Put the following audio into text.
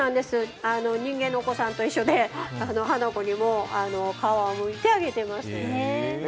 人間のお子さんと一緒で花子にも皮をむいてあげています。